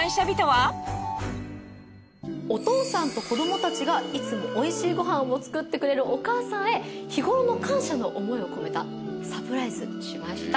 お父さんと子どもたちがいつも美味しいご飯を作ってくれるお母さんへ日頃の感謝の思いを込めたサプライズしました。